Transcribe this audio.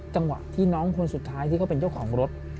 จังหวะที่น้องคนสุดท้ายที่เขาเป็นเจ้าของรถ